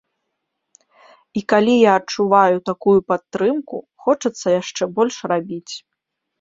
І калі я адчуваю такую падтрымку, хочацца яшчэ больш рабіць.